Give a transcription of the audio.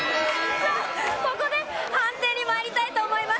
さあ、ここで判定にまいりたいと思います。